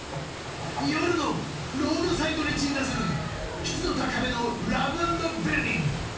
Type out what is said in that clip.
「夜のロードサイドに鎮座する湿度高めのラブ＆ビルディング！」